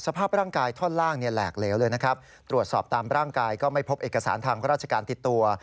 สภาพร่างกายท่อนล่างเนี่ยแหลกเหลวเลยนะครับตรวจสอบตามร่างกายก็ไม่พบเอกสารทางราชการติดตัว